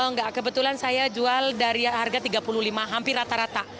enggak kebetulan saya jual dari harga rp tiga puluh lima hampir rata rata